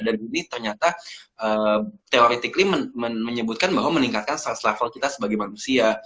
dan ini ternyata teoritically menyebutkan bahwa meningkatkan stress level kita sebagai manusia